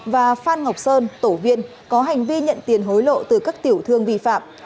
và phan ngọc sơn tổ viên có hành vi nhận tiền hối lộ từ các tiểu thương vi phạm